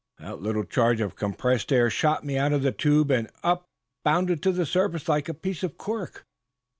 "That little charge of compressed air shot me out of the tube, and up I bounded to the surface, like a piece of cork."